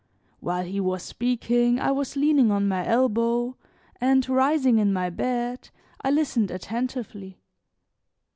While he was speaking I was leaning on my elbow, and, rising in my bed, I listened attentively.